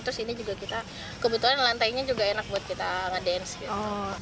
terus ini juga kita kebetulan lantainya juga enak buat kita ngedance gitu